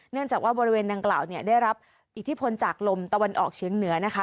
เนื่องจากว่าบริเวณดังกล่าวได้รับอิทธิพลจากลมตะวันออกเชียงเหนือนะคะ